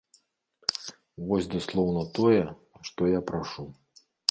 Вось даслоўна тое, што я прашу.